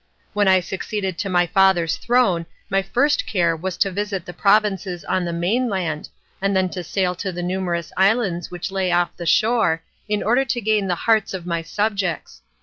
When I succeeded to my father's throne my first care was to visit the provinces on the mainland, and then to sail to the numerous islands which lay off the shore, in order to gain the hearts of my subjects.